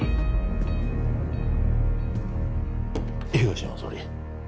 東山総理